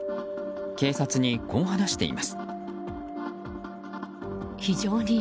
警察に、こう話しています。